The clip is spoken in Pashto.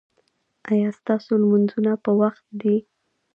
ایا ستاسو لمونځونه په وخت دي؟